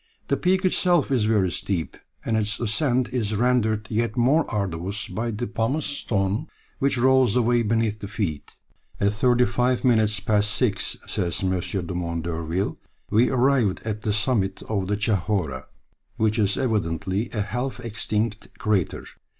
The peak itself is very steep, and its ascent is rendered yet more arduous by the pumice stone which rolls away beneath the feet. "At thirty five minutes past six," says M. Dumont d'Urville, "we arrived at the summit of the Chahorra, which is evidently a half extinct crater.